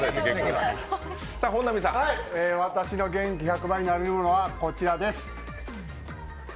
私の元気１００倍になれるものはこちらです。